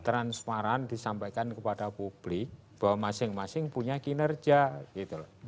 transparan disampaikan kepada publik bahwa masing masing punya kinerja gitu loh